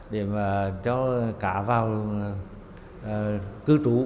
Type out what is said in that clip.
để mà cho cá vào cư trú